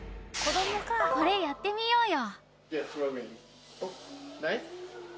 これ、やってみようよ。